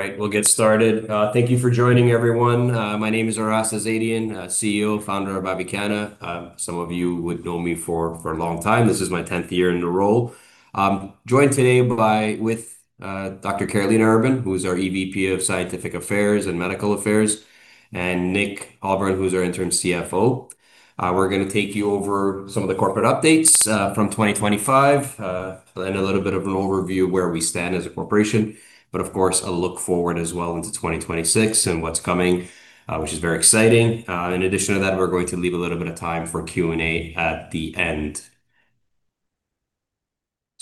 All right, we'll get started. Thank you for joining everyone. My name is Aras Azadian, CEO, founder of Avicanna. Some of you would know me for a long time. This is my tenth year in the role. I'm joined today with Dr. Karolina Urban, who's our EVP of Scientific Affairs and Medical Affairs, and Nick Hilborn, who's our Interim CFO. We're going to take you over some of the corporate updates from 2025, and a little bit of an overview where we stand as a corporation. Of course, a look forward as well into 2026 and what's coming, which is very exciting. In addition to that, we're going to leave a little bit of time for Q&A at the end.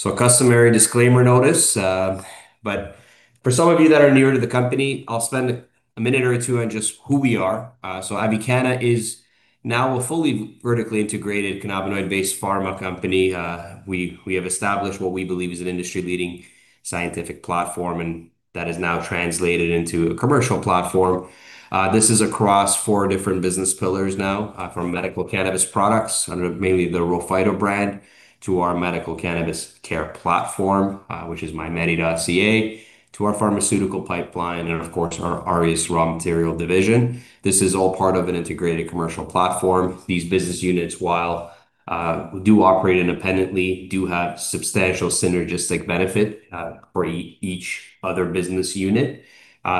A customary disclaimer notice. For some of you that are newer to the company, I'll spend a minute or two on just who we are. Avicanna is now a fully vertically integrated cannabinoid-based pharma company. We have established what we believe is an industry-leading scientific platform, and that is now translated into a commercial platform. This is across four different business pillars now. From medical cannabis products under mainly the RHO Phyto brand, to our medical cannabis care platform, which is MyMedi.ca, to our pharmaceutical pipeline, and of course, our Aureus raw material division. This is all part of an integrated commercial platform. These business units, while they do operate independently, do have substantial synergistic benefit for each other business unit.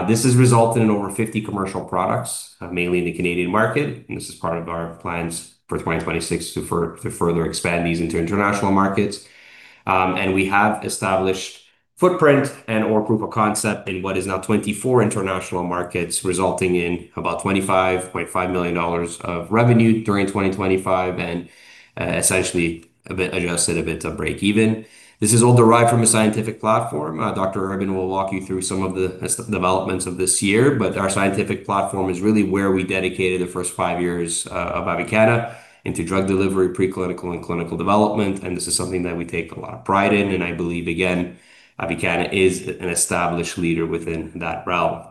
This has resulted in over 50 commercial products, mainly in the Canadian market. This is part of our plans for 2026 to further expand these into international markets. We have established footprint and/or proof of concept in what is now 24 international markets, resulting in about 25.5 million dollars of revenue during 2025, and essentially adjusted EBITDA break-even. This is all derived from a scientific platform. Dr. Urban will walk you through some of the developments of this year, but our scientific platform is really where we dedicated the first five years of Avicanna into drug delivery, pre-clinical, and clinical development. This is something that we take a lot of pride in. I believe, again, Avicanna is an established leader within that realm.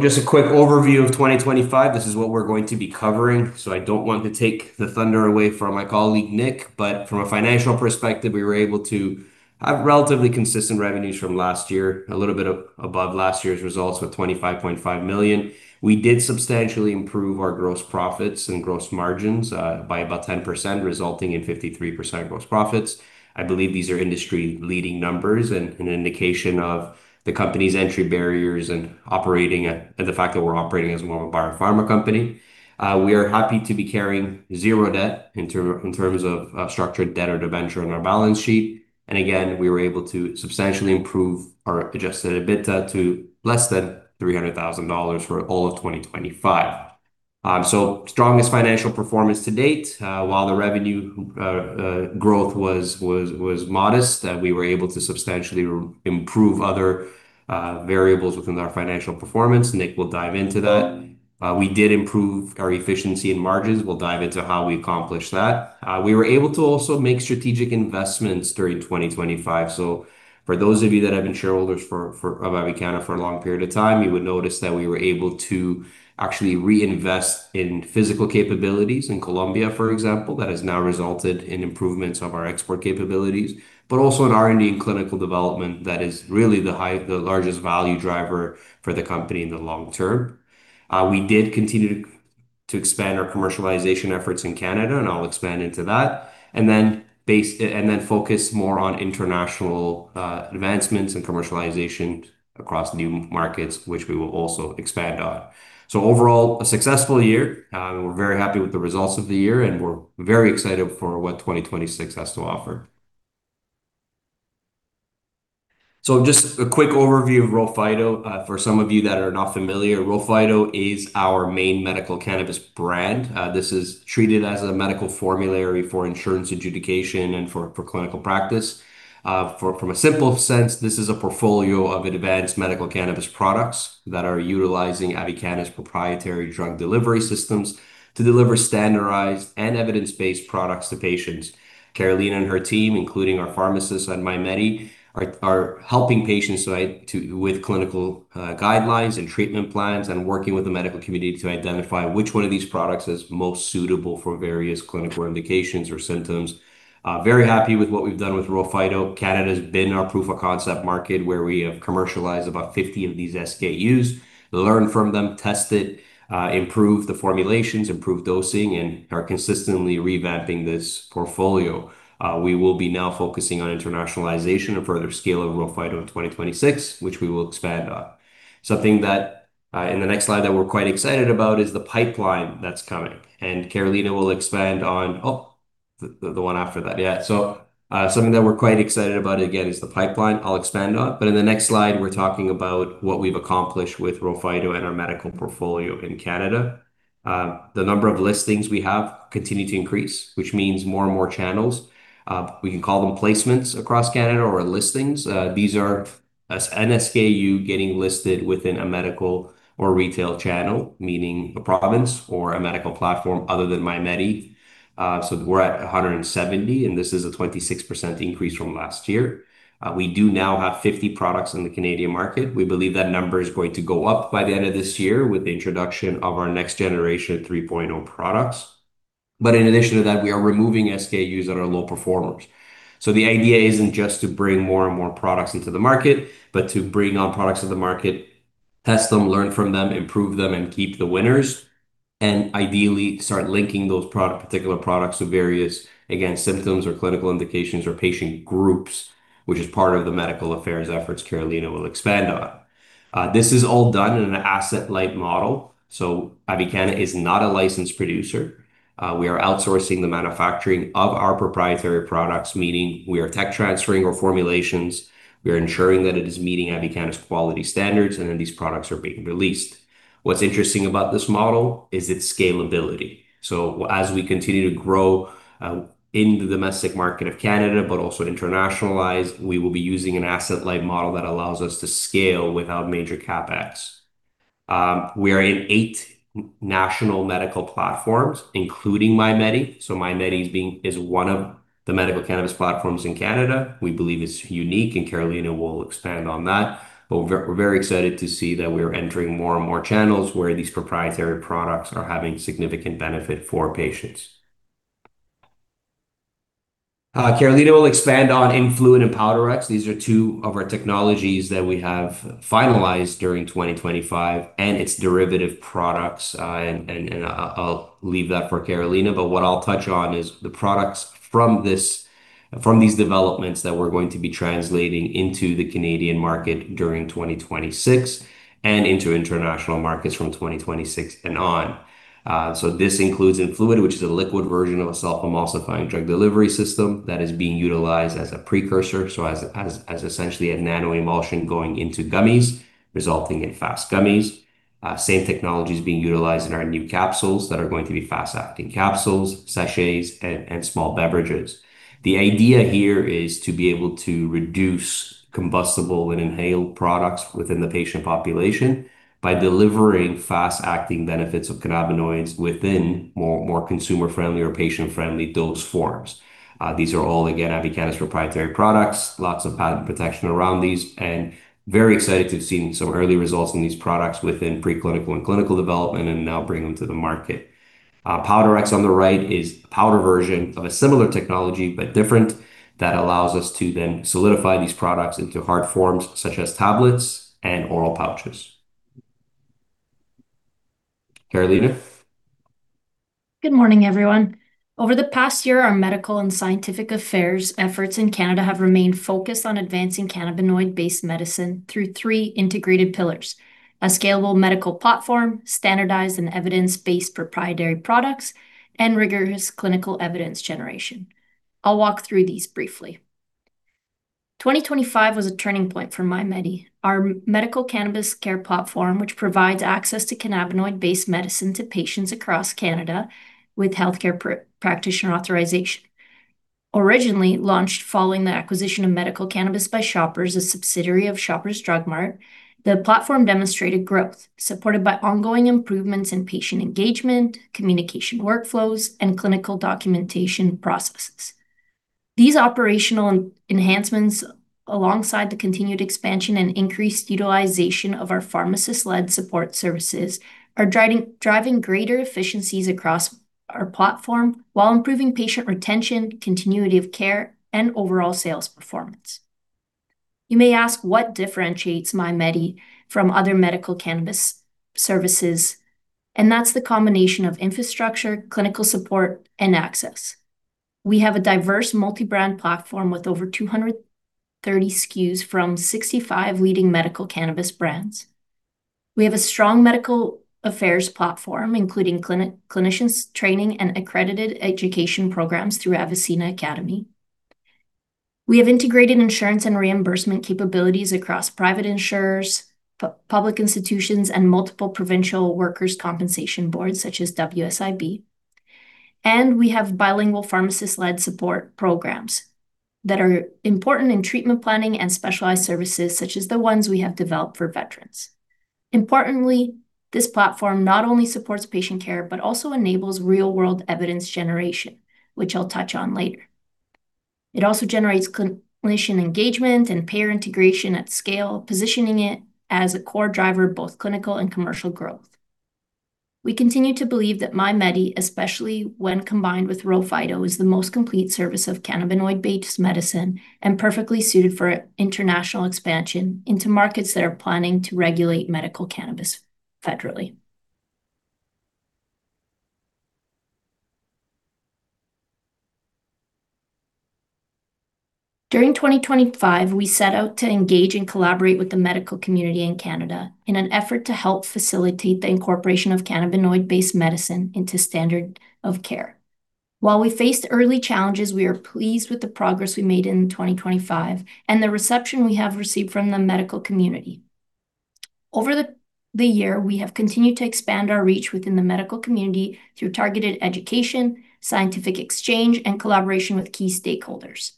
Just a quick overview of 2025. This is what we're going to be covering. I don't want to take the thunder away from my colleague Nick, but from a financial perspective, we were able to have relatively consistent revenues from last year, a little bit above last year's results with 25.5 million. We did substantially improve our gross profits and gross margins by about 10%, resulting in 53% gross profits. I believe these are industry-leading numbers and an indication of the company's entry barriers and the fact that we're operating as more of a bio-pharma company. We are happy to be carrying zero debt in terms of structured debt or debenture on our balance sheet. Again, we were able to substantially improve our adjusted EBITDA to less than 300,000 dollars for all of 2025. Strongest financial performance to date. While the revenue growth was modest, that we were able to substantially improve other variables within our financial performance. Nick will dive into that. We did improve our efficiency and margins. We'll dive into how we accomplished that. We were able to also make strategic investments during 2025. For those of you that have been shareholders of Avicanna for a long period of time, you would notice that we were able to actually reinvest in physical capabilities in Colombia, for example, that has now resulted in improvements of our export capabilities, but also in R&D and clinical development that is really the largest value driver for the company in the long term. We did continue to expand our commercialization efforts in Canada, and I'll expand into that, and then focus more on international advancements and commercialization across new markets, which we will also expand on. Overall, a successful year. We're very happy with the results of the year, and we're very excited for what 2026 has to offer. Just a quick overview of RHO Phyto. For some of you that are not familiar, RHO Phyto is our main medical cannabis brand. This is treated as a medical formulary for insurance adjudication and for clinical practice. From a simple sense, this is a portfolio of advanced medical cannabis products that are utilizing Avicanna's proprietary drug delivery systems to deliver standardized and evidence-based products to patients. Karolina and her team, including our pharmacists at MyMedi, are helping patients with clinical guidelines and treatment plans and working with the medical community to identify which one of these products is most suitable for various clinical indications or symptoms. Very happy with what we've done with RHO Phyto. Canada's been our proof of concept market where we have commercialized about 50 of these SKUs, learned from them, tested, improved the formulations, improved dosing, and are consistently revamping this portfolio. We will be now focusing on internationalization and further scale of RHO Phyto in 2026, which we will expand on. Oh, the one after that. Yeah. Something that we're quite excited about again is the pipeline I'll expand on. In the next slide, we're talking about what we've accomplished with RHO Phyto and our medical portfolio in Canada. The number of listings we have continue to increase, which means more and more channels. We can call them placements across Canada or listings. These are an SKU getting listed within a medical or retail channel, meaning a province or a medical platform other than MyMedi. We're at 170, and this is a 26% increase from last year. We do now have 50 products in the Canadian market. We believe that number is going to go up by the end of this year with the introduction of our next generation 3.0 products. In addition to that, we are removing SKUs that are low performers. The idea isn't just to bring more and more products into the market, but to bring on products to the market, test them, learn from them, improve them, and keep the winners, and ideally start linking those particular products to various, again, symptoms or clinical indications or patient groups, which is part of the medical affairs efforts Karolina will expand on. This is all done in an asset-light model. Avicanna is not a licensed producer. We are outsourcing the manufacturing of our proprietary products, meaning we are tech transferring our formulations, we are ensuring that it is meeting Avicanna's quality standards, and then these products are being released. What's interesting about this model is its scalability. As we continue to grow in the domestic market of Canada, but also internationalize, we will be using an asset-light model that allows us to scale without major CapEx. We are in eight national medical platforms, including MyMedi. MyMedi is one of the medical cannabis platforms in Canada. We believe it's unique, and Karolina will expand on that. We're very excited to see that we're entering more and more channels where these proprietary products are having significant benefit for patients. Karolina will expand on Influid and PwdRx. These are two of our technologies that we have finalized during 2025, and its derivative products, and I'll leave that for Karolina. What I'll touch on is the products from these developments that we're going to be translating into the Canadian market during 2026 and into international markets from 2026 and on. This includes Influid, which is a liquid version of a self-emulsifying drug delivery system that is being utilized as a precursor, so as essentially a nano-emulsion going into gummies, resulting in fast gummies. Same technology is being utilized in our new capsules that are going to be fast-acting capsules, sachets, and small beverages. The idea here is to be able to reduce combustible and inhaled products within the patient population by delivering fast-acting benefits of cannabinoids within more consumer-friendly or patient-friendly dose forms. These are all, again, Avicanna's proprietary products, lots of patent protection around these, and very excited to have seen some early results in these products within preclinical and clinical development and now bring them to the market. PwdRx on the right is a powder version of a similar technology, but different, that allows us to then solidify these products into hard forms such as tablets and oral pouches. Karolina? Good morning, everyone. Over the past year, our medical and scientific affairs efforts in Canada have remained focused on advancing cannabinoid-based medicine through three integrated pillars, a scalable medical platform, standardized and evidence-based proprietary products, and rigorous clinical evidence generation. I'll walk through these briefly. 2025 was a turning point for MyMedi, our medical cannabis care platform, which provides access to cannabinoid-based medicine to patients across Canada with healthcare practitioner authorization. Originally launched following the acquisition of Medical Cannabis by Shoppers, a subsidiary of Shoppers Drug Mart, the platform demonstrated growth supported by ongoing improvements in patient engagement, communication workflows, and clinical documentation processes. These operational enhancements, alongside the continued expansion and increased utilization of our pharmacist-led support services, are driving greater efficiencies across our platform while improving patient retention, continuity of care, and overall sales performance. You may ask what differentiates MyMedi from other medical cannabis services, and that's the combination of infrastructure, clinical support, and access. We have a diverse multi-brand platform with over 230 SKUs from 65 leading medical cannabis brands. We have a strong medical affairs platform, including clinicians training and accredited education programs through Avicenna Academy. We have integrated insurance and reimbursement capabilities across private insurers, public institutions, and multiple provincial workers compensation boards such as WSIB. We have bilingual pharmacist-led support programs that are important in treatment planning and specialized services such as the ones we have developed for veterans. Importantly, this platform not only supports patient care, but also enables real-world evidence generation, which I'll touch on later. It also generates clinician engagement and payer integration at scale, positioning it as a core driver of both clinical and commercial growth. We continue to believe that MyMedi, especially when combined with RHO Phyto, is the most complete service of cannabinoid-based medicine and perfectly suited for international expansion into markets that are planning to regulate medical cannabis federally. During 2025, we set out to engage and collaborate with the medical community in Canada in an effort to help facilitate the incorporation of cannabinoid-based medicine into standard of care. While we faced early challenges, we are pleased with the progress we made in 2025 and the reception we have received from the medical community. Over the year, we have continued to expand our reach within the medical community through targeted education, scientific exchange, and collaboration with key stakeholders.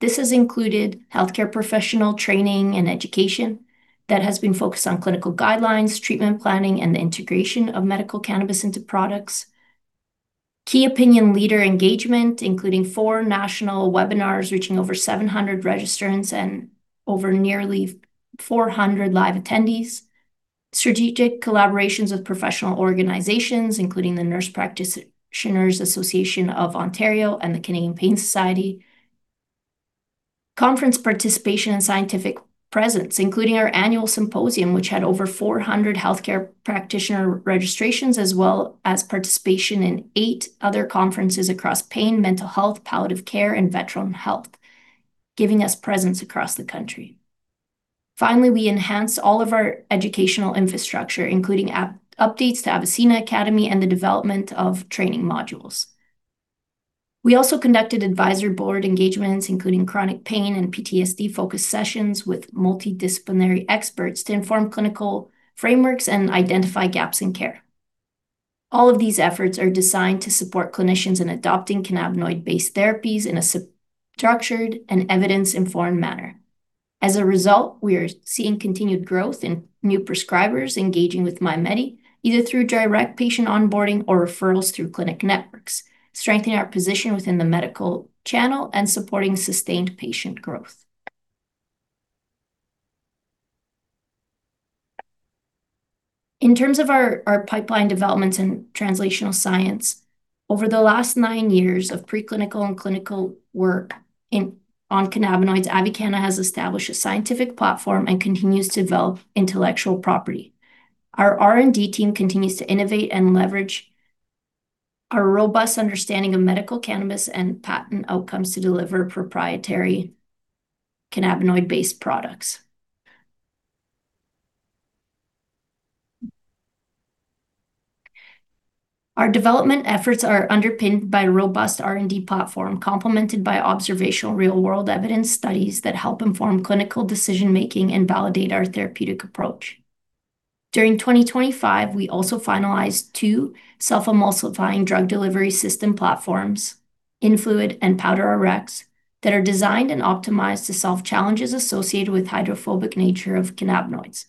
This has included healthcare professional training and education that has been focused on clinical guidelines, treatment planning, and the integration of medical cannabis into products. Key opinion leader engagement, including four national webinars reaching over 700 registrants and nearly 400 live attendees. Strategic collaborations with professional organizations, including the Nurse Practitioners' Association of Ontario and The Canadian Pain Society. Conference participation and scientific presence, including our annual symposium, which had over 400 healthcare practitioner registrations, as well as participation in eight other conferences across pain, mental health, palliative care, and veteran health, giving us presence across the country. We enhanced all of our educational infrastructure, including updates to Avicenna Academy and the development of training modules. We also conducted advisory board engagements, including chronic pain and PTSD-focused sessions with multidisciplinary experts to inform clinical frameworks and identify gaps in care. All of these efforts are designed to support clinicians in adopting cannabinoid-based therapies in a structured and evidence-informed manner. As a result, we are seeing continued growth in new prescribers engaging with MyMedi, either through direct patient onboarding or referrals through clinic networks, strengthening our position within the medical channel and supporting sustained patient growth. In terms of our pipeline developments in translational science, over the last nine years of preclinical and clinical work on cannabinoids, Avicanna has established a scientific platform and continues to develop intellectual property. Our R&D team continues to innovate and leverage our robust understanding of medical cannabis and patent outcomes to deliver proprietary cannabinoid-based products. Our development efforts are underpinned by a robust R&D platform complemented by observational real-world evidence studies that help inform clinical decision-making and validate our therapeutic approach. During 2025, we also finalized two self-emulsifying drug delivery system platforms, Influid and PwdRx, that are designed and optimized to solve challenges associated with the hydrophobic nature of cannabinoids.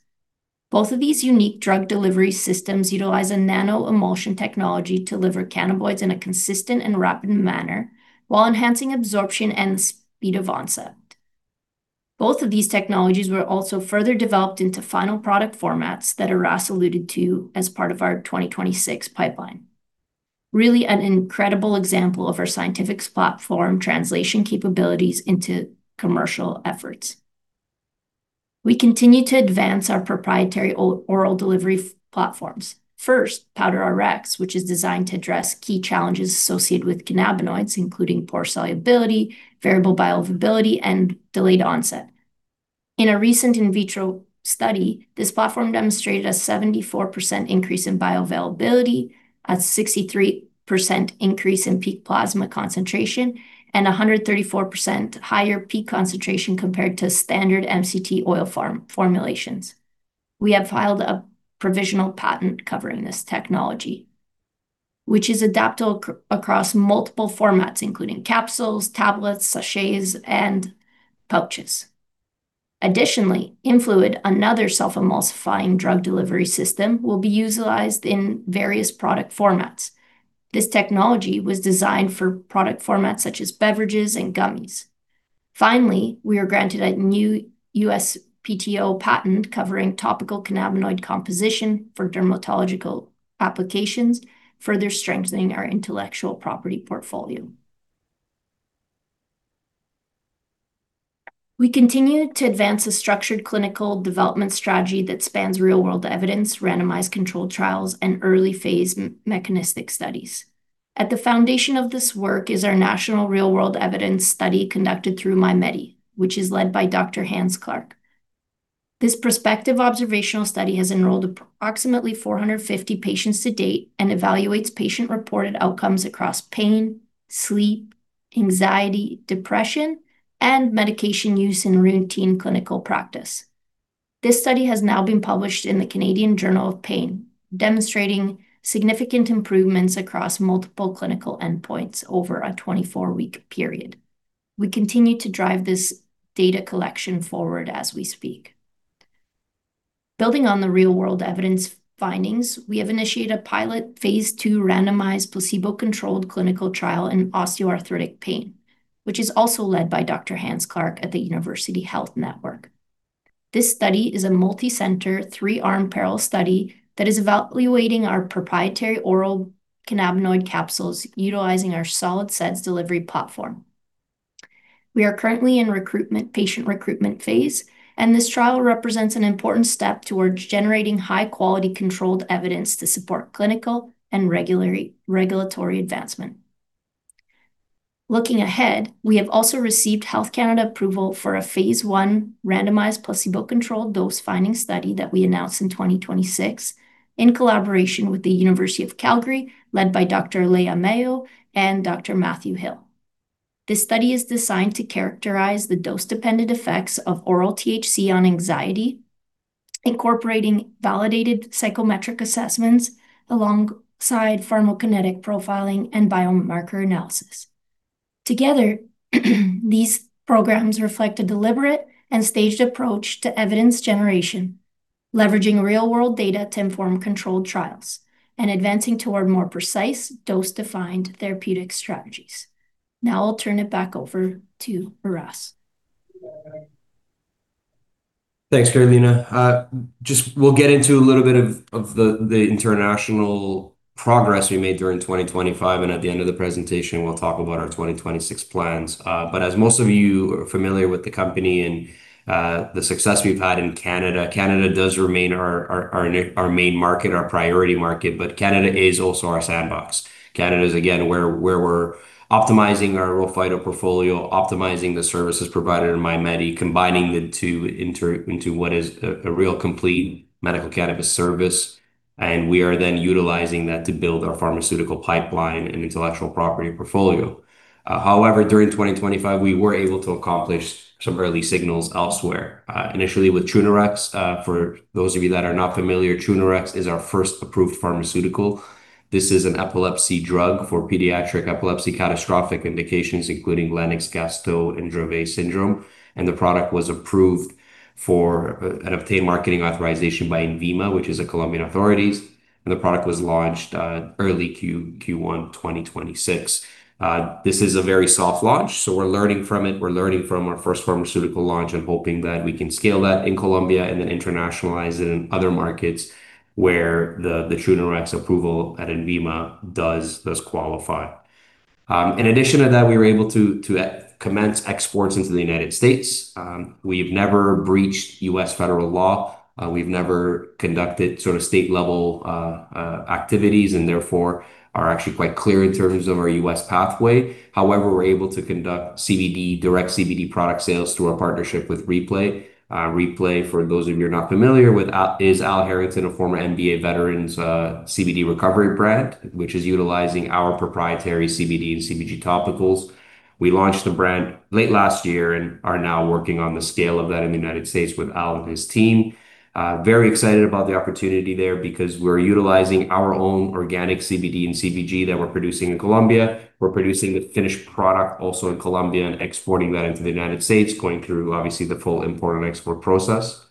Both of these unique drug delivery systems utilize a nanoemulsion technology to deliver cannabinoids in a consistent and rapid manner while enhancing absorption and speed of onset. Both of these technologies were also further developed into final product formats that Aras alluded to as part of our 2026 pipeline. Really an incredible example of our scientific platform translation capabilities into commercial efforts. We continue to advance our proprietary oral delivery platforms. First, PwdRx, which is designed to address key challenges associated with cannabinoids, including poor solubility, variable bioavailability, and delayed onset. In a recent in vitro study, this platform demonstrated a 74% increase in bioavailability, a 63% increase in peak plasma concentration, and 134% higher peak concentration compared to standard MCT oil formulations. We have filed a provisional patent covering this technology, which is adaptable across multiple formats, including capsules, tablets, sachets, and pouches. Additionally, Influid, another self-emulsifying drug delivery system, will be utilized in various product formats. This technology was designed for product formats such as beverages and gummies. Finally, we were granted a new USPTO patent covering topical cannabinoid composition for dermatological applications, further strengthening our intellectual property portfolio. We continue to advance a structured clinical development strategy that spans real-world evidence, randomized controlled trials, and early-phase mechanistic studies. At the foundation of this work is our national real-world evidence study conducted through MyMedi, which is led by Dr. Hance Clarke. This prospective observational study has enrolled approximately 450 patients to date and evaluates patient-reported outcomes across pain, sleep, anxiety, depression, and medication use in routine clinical practice. This study has now been published in the Canadian Journal of Pain, demonstrating significant improvements across multiple clinical endpoints over a 24-week period. We continue to drive this data collection forward as we speak. Building on the real-world evidence findings, we have initiated a pilot phase II randomized placebo-controlled clinical trial in osteoarthritic pain, which is also led by Dr. Hance Clarke at the University Health Network. This study is a multicenter, three-arm parallel study that is evaluating our proprietary oral cannabinoid capsules utilizing our SEDDS delivery platform. We are currently in patient recruitment phase, and this trial represents an important step towards generating high-quality controlled evidence to support clinical and regulatory advancement. Looking ahead, we have also received Health Canada approval for a phase I randomized placebo-controlled dose-finding study that we announced in 2026 in collaboration with the University of Calgary, led by Dr. Leah Mayo and Dr. Matthew Hill. This study is designed to characterize the dose-dependent effects of oral THC on anxiety, incorporating validated psychometric assessments alongside pharmacokinetic profiling and biomarker analysis. Together, these programs reflect a deliberate and staged approach to evidence generation, leveraging real-world data to inform controlled trials and advancing toward more precise dose-defined therapeutic strategies. Now I'll turn it back over to Aras. Thanks, Karolina. We'll get into a little bit of the international progress we made during 2025, and at the end of the presentation, we'll talk about our 2026 plans. As most of you are familiar with the company and the success we've had in Canada does remain our main market, our priority market, but Canada is also our sandbox. Canada is, again, where we're optimizing our RHO Phyto portfolio, optimizing the services provided in MyMedi, combining the two into what is a real complete medical cannabis service, and we are then utilizing that to build our pharmaceutical pipeline and intellectual property portfolio. However, during 2025, we were able to accomplish some early signals elsewhere. Initially with Trunerox. For those of you that are not familiar, Trunerox is our first approved pharmaceutical. This is an epilepsy drug for pediatric epilepsy catastrophic indications, including Lennox-Gastaut and Dravet syndrome, and the product was approved for and obtained marketing authorization by INVIMA, which is a Colombian authority, and the product was launched early Q1 2026. This is a very soft launch, so we're learning from it. We're learning from our first pharmaceutical launch and hoping that we can scale that in Colombia and then internationalize it in other markets where the Trunerox approval at INVIMA does qualify. In addition to that, we were able to commence exports into the United States. We've never breached U.S. federal law. We've never conducted state-level activities and therefore are actually quite clear in terms of our U.S. pathway. However, we're able to conduct CBD, direct CBD product sales through our partnership with re+PLAY. re+PLAY, for those of you who are not familiar with, is Al Harrington, a former NBA veteran's CBD recovery brand, which is utilizing our proprietary CBD and CBG topicals. We launched the brand late last year and are now working on the scaling of that in the United States with Al and his team. Very excited about the opportunity there because we're utilizing our own organic CBD and CBG that we're producing in Colombia. We're producing the finished product also in Colombia and exporting that into the United States, going through, obviously, the full import and export process.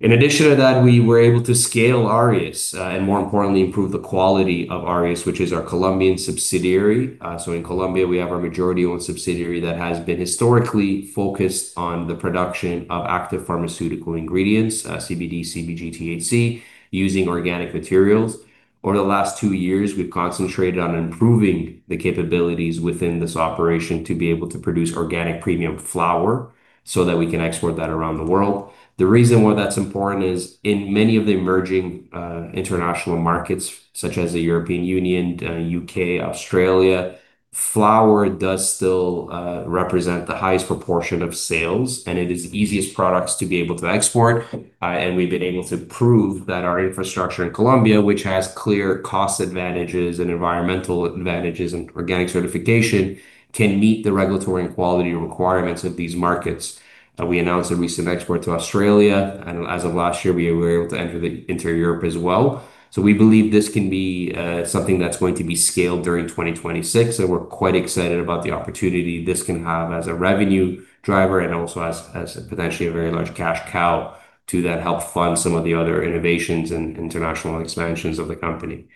In addition to that, we were able to scale Aureus, and more importantly, improve the quality of Aureus, which is our Colombian subsidiary. In Colombia, we have our majority-owned subsidiary that has been historically focused on the production of active pharmaceutical ingredients, CBD, CBG, THC, using organic materials. Over the last two years, we've concentrated on improving the capabilities within this operation to be able to produce organic premium flower so that we can export that around the world. The reason why that's important is in many of the emerging international markets, such as the European Union, U.K., Australia, flower does still represent the highest proportion of sales, and it is the easiest products to be able to export. We've been able to prove that our infrastructure in Colombia, which has clear cost advantages and environmental advantages, and organic certification, can meet the regulatory and quality requirements of these markets. We announced a recent export to Australia, and as of last year, we were able to enter Europe as well. We believe this can be something that's going to be scaled during 2026, and we're quite excited about the opportunity this can have as a revenue driver and also as potentially a very large cash cow to then help fund some of the other innovations and international expansions of the company.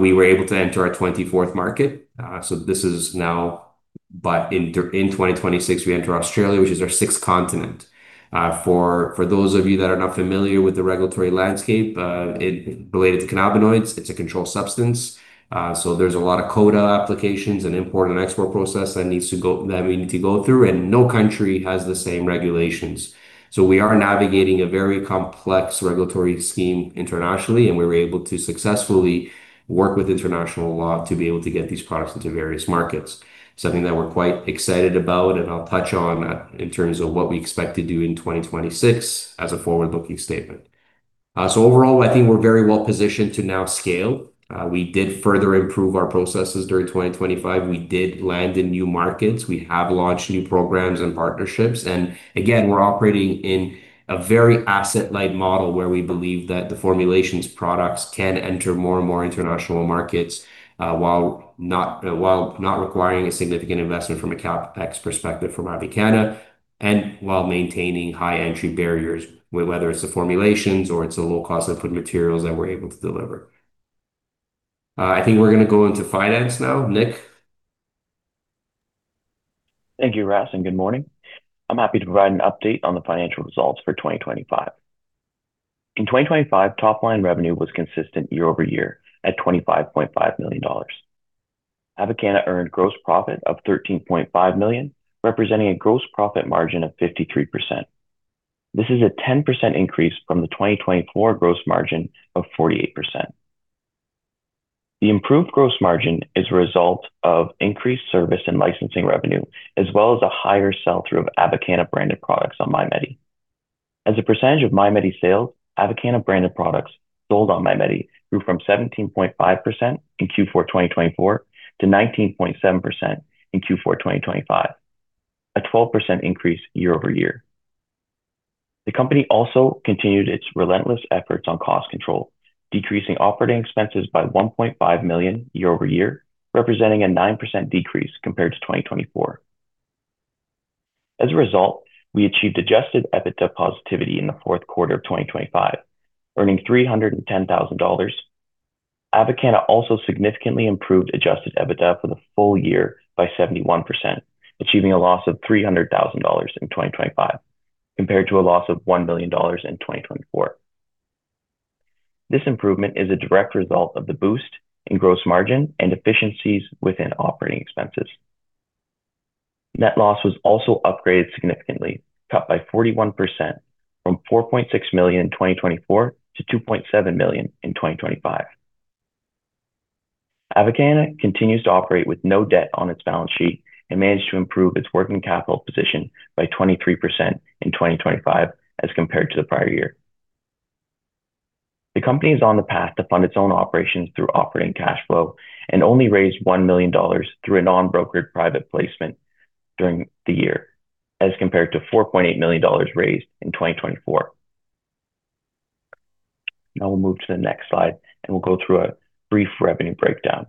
We were able to enter our 24th market. This is now, but in 2026 we enter Australia, which is our sixth continent. For those of you that are not familiar with the regulatory landscape related to cannabinoids, it's a controlled substance. There's a lot of quota applications and import and export process that we need to go through, and no country has the same regulations. We are navigating a very complex regulatory scheme internationally, and we were able to successfully work with international law to be able to get these products into various markets, something that we're quite excited about and I'll touch on in terms of what we expect to do in 2026 as a forward-looking statement. Overall, I think we're very well-positioned to now scale. We did further improve our processes during 2025. We did land in new markets. We have launched new programs and partnerships, and again, we're operating in a very asset-light model where we believe that the formulations products can enter more and more international markets while not requiring a significant investment from a CapEx perspective from Avicanna and while maintaining high entry barriers, whether it's the formulations or it's the low cost of input materials that we're able to deliver. I think we're going to go into finance now. Nick? Thank you, Aras, and good morning. I'm happy to provide an update on the financial results for 2025. In 2025, top-line revenue was consistent year-over-year at 25.5 million dollars. Avicanna earned gross profit of 13.5 million, representing a gross profit margin of 53%. This is a 10% increase from the 2024 gross margin of 48%. The improved gross margin is a result of increased service and licensing revenue, as well as a higher sell-through of Avicanna-branded products on MyMedi. As a percentage of MyMedi sales, Avicanna-branded products sold on MyMedi grew from 17.5% in Q4 2024 to 19.7% in Q4 2025, a 12% increase year-over-year. The company also continued its relentless efforts on cost control, decreasing operating expenses by 1.5 million year-over-year, representing a 9% decrease compared to 2024. As a result, we achieved adjusted EBITDA positivity in the fourth quarter of 2025, earning 310,000 dollars. Avicanna also significantly improved adjusted EBITDA for the full year by 71%, achieving a loss of 300,000 dollars in 2025 compared to a loss of 1 million dollars in 2024. This improvement is a direct result of the boost in gross margin and efficiencies within operating expenses. Net loss was also upgraded significantly, cut by 41% from 4.6 million in 2024 to 2.7 million in 2025. Avicanna continues to operate with no debt on its balance sheet and managed to improve its working capital position by 23% in 2025 as compared to the prior year. The company is on the path to fund its own operations through operating cash flow and only raised 1 million dollars through a non-brokered private placement during the year as compared to 4.8 million dollars raised in 2024. Now we'll move to the next slide and we'll go through a brief revenue breakdown.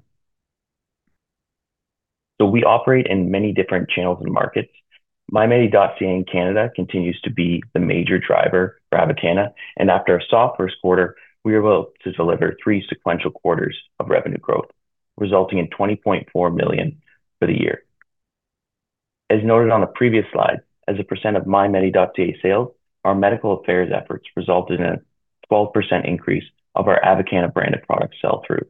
We operate in many different channels and markets. MyMedi.ca in Canada continues to be the major driver for Avicanna, and after a soft first quarter, we were able to deliver three sequential quarters of revenue growth, resulting in 20.4 million for the year. As noted on the previous slide, as a percent of MyMedi.ca sales, our medical affairs efforts resulted in a 12% increase of our Avicanna-branded product sell-through,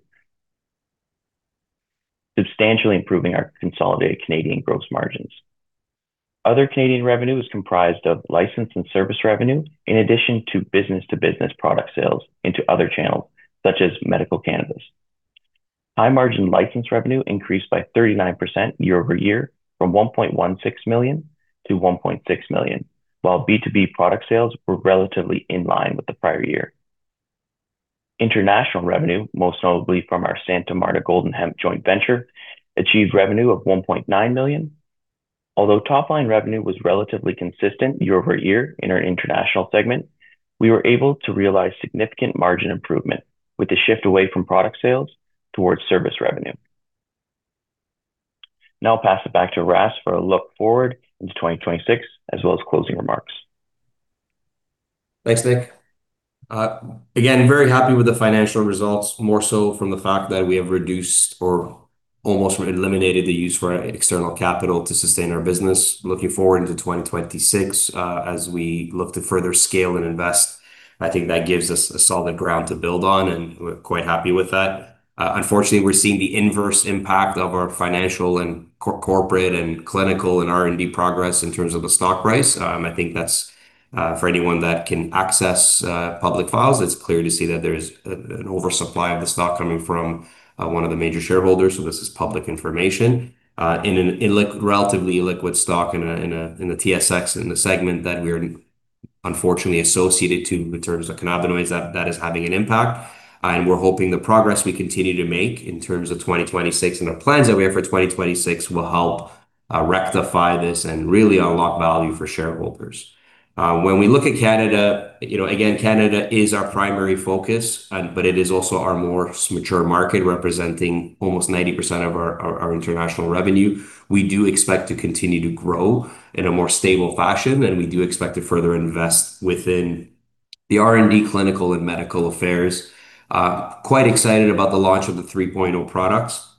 substantially improving our consolidated Canadian gross margins. Other Canadian revenue is comprised of license and service revenue, in addition to business-to-business product sales into other channels such as medical cannabis. High-margin license revenue increased by 39% year-over-year from 1.16 million to 1.6 million, while B2B product sales were relatively in line with the prior year. International revenue, most notably from our Santa Marta Golden Hemp joint venture, achieved revenue of 1.9 million. Although top-line revenue was relatively consistent year-over-year in our international segment, we were able to realize significant margin improvement with the shift away from product sales towards service revenue. Now I'll pass it back to Aras for a look forward into 2026 as well as closing remarks. Thanks, Nick. Again, very happy with the financial results, more so from the fact that we have reduced or almost eliminated the use for external capital to sustain our business. Looking forward into 2026, as we look to further scale and invest, I think that gives us a solid ground to build on, and we're quite happy with that. Unfortunately, we're seeing the inverse impact of our financial and corporate and clinical and R&D progress in terms of the stock price. I think that's for anyone that can access public files. It's clear to see that there's an oversupply of the stock coming from one of the major shareholders. So this is public information. In a relatively illiquid stock in the TSX, in the segment that we are unfortunately associated to in terms of cannabinoids, that is having an impact. We're hoping the progress we continue to make in terms of 2026 and our plans that we have for 2026 will help rectify this and really unlock value for shareholders. When we look at Canada, again, Canada is our primary focus, but it is also our more mature market, representing almost 90% of our international revenue. We do expect to continue to grow in a more stable fashion, and we do expect to further invest within the R&D clinical and medical affairs. Quite excited about the launch of the 3.0 products.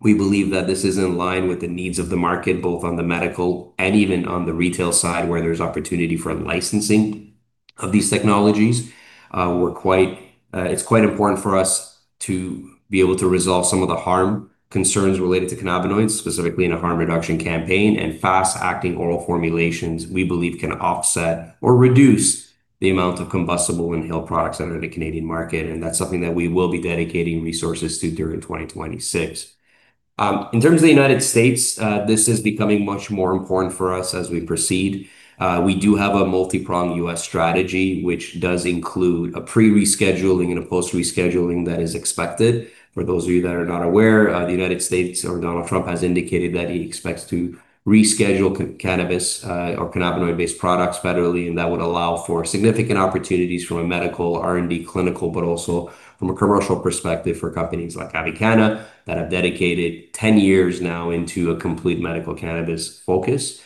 We believe that this is in line with the needs of the market, both on the medical and even on the retail side, where there's opportunity for licensing of these technologies. It's quite important for us to be able to resolve some of the harm concerns related to cannabinoids, specifically in a harm reduction campaign, and fast-acting oral formulations we believe can offset or reduce the amount of combustible inhaled products that are in the Canadian market, and that's something that we will be dedicating resources to during 2026. In terms of the United States, this is becoming much more important for us as we proceed. We do have a multi-pronged U.S. strategy, which does include a pre-rescheduling and a post-rescheduling that is expected. For those of you that are not aware, the United States or Donald Trump has indicated that he expects to reschedule cannabis or cannabinoid-based products federally, and that would allow for significant opportunities from a medical R&D clinical, but also from a commercial perspective for companies like Avicanna that have dedicated 10 years now into a complete medical cannabis focus.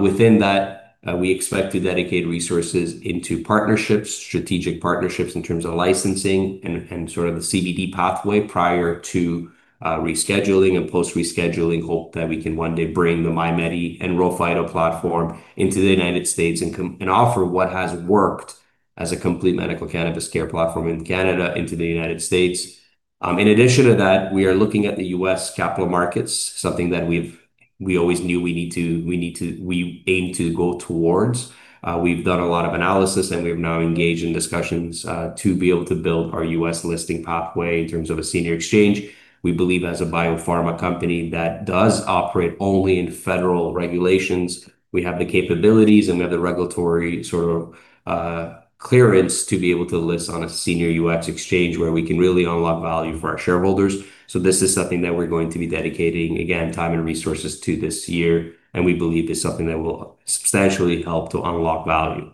Within that, we expect to dedicate resources into partnerships, strategic partnerships in terms of licensing and sort of the CBD pathway prior to rescheduling and post rescheduling hope that we can one day bring the MyMedi and RHO Phyto platform into the United States and offer what has worked as a complete medical cannabis care platform in Canada into the United States. In addition to that, we are looking at the U.S. capital markets, something that we always knew we aim to go towards. We've done a lot of analysis, and we have now engaged in discussions to be able to build our U.S. listing pathway in terms of a senior exchange. We believe as a biopharma company that does operate only in federal regulations, we have the capabilities and have the regulatory sort of clearance to be able to list on a senior U.S. exchange where we can really unlock value for our shareholders. This is something that we're going to be dedicating, again, time and resources to this year, and we believe is something that will substantially help to unlock value.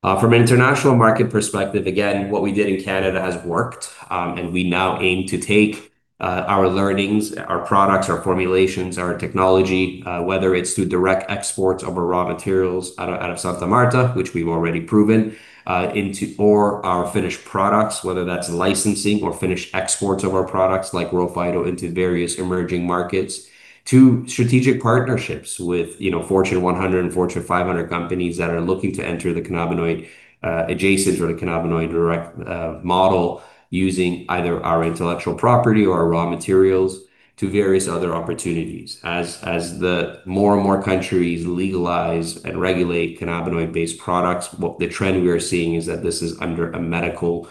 From an international market perspective, again, what we did in Canada has worked, and we now aim to take our learnings, our products, our formulations, our technology, whether it's through direct exports of our raw materials out of Santa Marta, which we've already proven, or our finished products, whether that's licensing or finished exports of our products like RHO Phyto into various emerging markets, to strategic partnerships with Fortune 100 and Fortune 500 companies that are looking to enter the cannabinoid adjacent or the cannabinoid direct model using either our intellectual property or our raw materials to various other opportunities. As more and more countries legalize and regulate cannabinoid-based products, the trend we are seeing is that this is under a medical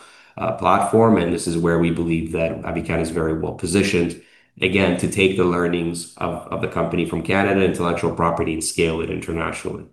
platform, and this is where we believe that Avicanna is very well positioned, again, to take the learnings of the company from Canadian intellectual property and scale it internationally.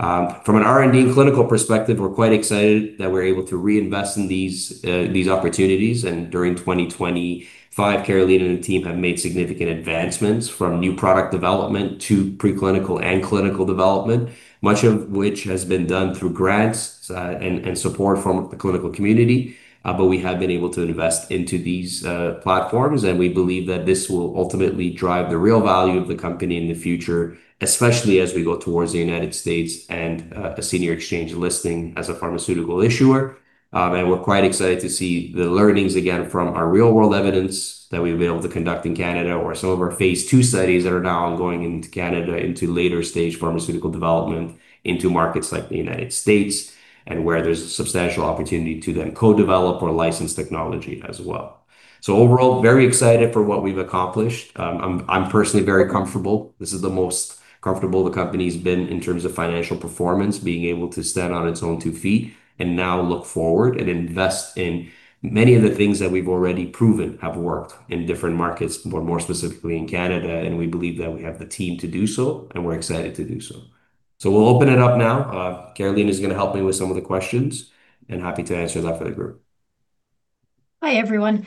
From an R&D and clinical perspective, we're quite excited that we're able to reinvest in these opportunities. During 2025, Karolina and the team have made significant advancements from new product development to preclinical and clinical development. Much of which has been done through grants and support from the clinical community. We have been able to invest into these platforms, and we believe that this will ultimately drive the real value of the company in the future, especially as we go towards the United States and a senior exchange listing as a pharmaceutical issuer. We're quite excited to see the learnings again from our real-world evidence that we've been able to conduct in Canada or some of our phase II studies that are now ongoing in Canada into later-stage pharmaceutical development into markets like the United States and where there's substantial opportunity to then co-develop or license technology as well. Overall, very excited for what we've accomplished. I'm personally very comfortable. This is the most comfortable the company's been in terms of financial performance, being able to stand on its own two feet and now look forward and invest in many of the things that we've already proven have worked in different markets, but more specifically in Canada, and we believe that we have the team to do so, and we're excited to do so. We'll open it up now. Karolina is going to help me with some of the questions, and happy to answer them for the group. Hi, everyone.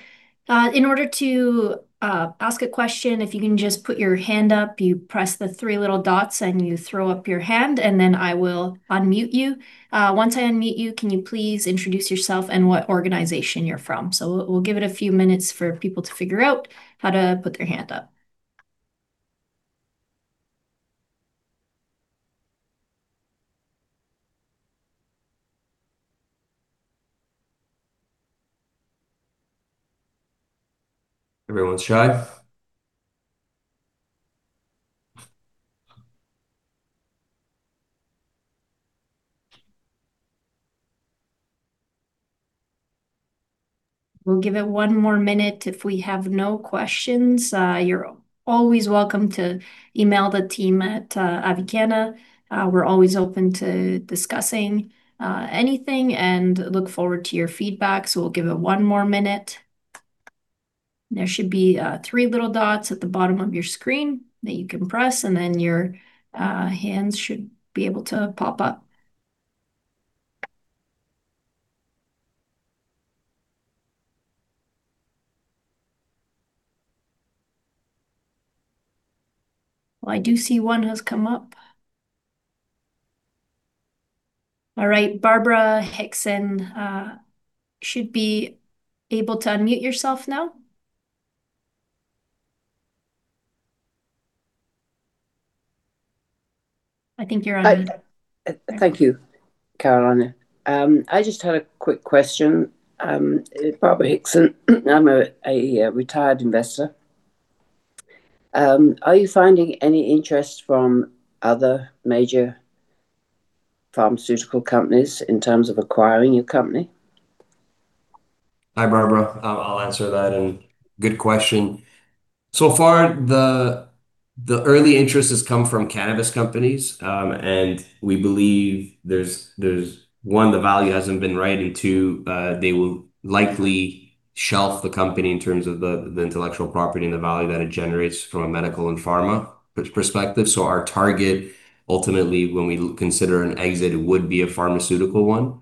In order to ask a question, if you can just put your hand up, you press the three little dots, and you throw up your hand, and then I will unmute you. Once I unmute you, can you please introduce yourself and what organization you're from? We'll give it a few minutes for people to figure out how to put their hand up. Everyone's shy. We'll give it one more minute. If we have no questions, you're always welcome to email the team at Avicanna. We're always open to discussing anything and look forward to your feedback. We'll give it one more minute. There should be three little dots at the bottom of your screen that you can press, and then your hands should be able to pop up. Well, I do see one has come up. All right, Barbara Hixon, you should be able to unmute yourself now. I think you're on mute. Thank you, Karolina. I just had a quick question. Barbara Hixon. I'm a retired investor. Are you finding any interest from other major pharmaceutical companies in terms of acquiring your company? Hi, Barbara. I'll answer that, and good question. So far, the early interest has come from cannabis companies, and we believe there's, one, the value hasn't been right, and two, they will likely shelf the company in terms of the intellectual property and the value that it generates from a medical and pharma perspective. Our target, ultimately, when we consider an exit, would be a pharmaceutical one.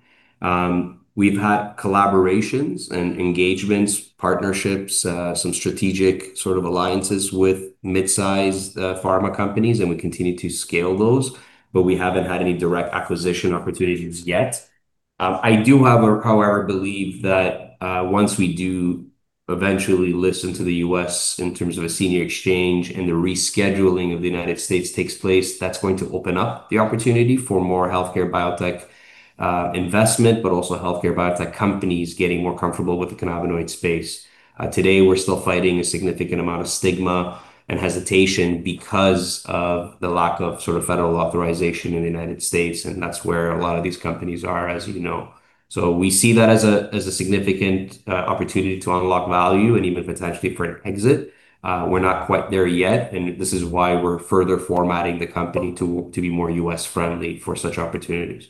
We've had collaborations and engagements, partnerships, some strategic sort of alliances with mid-size pharma companies, and we continue to scale those, but we haven't had any direct acquisition opportunities yet. I do, however, believe that once we do eventually list into the U.S. in terms of a senior exchange and the rescheduling of the United States takes place, that's going to open up the opportunity for more healthcare biotech investment, but also healthcare biotech companies getting more comfortable with the cannabinoid space. Today, we're still fighting a significant amount of stigma and hesitation because of the lack of federal authorization in the United States, and that's where a lot of these companies are, as you know. We see that as a significant opportunity to unlock value and even potentially for an exit. We're not quite there yet, and this is why we're further formatting the company to be more U.S.-friendly for such opportunities.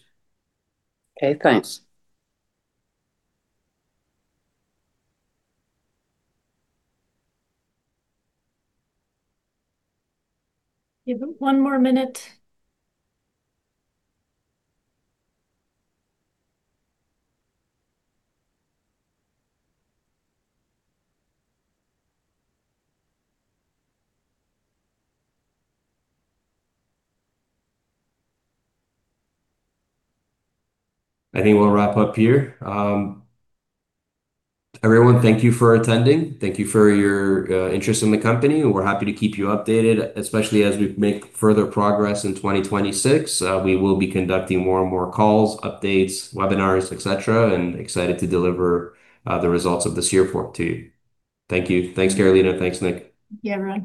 Okay, thanks. Give it one more minute. I think we'll wrap up here. Everyone, thank you for attending. Thank you for your interest in the company. We're happy to keep you updated, especially as we make further progress in 2026. We will be conducting more and more calls, updates, webinars, et cetera, and excited to deliver the results of this year forward, too. Thank you. Thanks, Karolina. Thanks, Nick. Yeah, everyone.